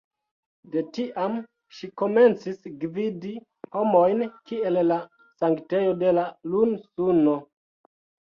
De tiam ŝi komencis gvidi homojn kiel la sanktejo de "Lun-Suno".